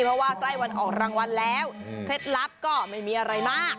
เพราะว่าใกล้วันออกรางวัลแล้วเคล็ดลับก็ไม่มีอะไรมาก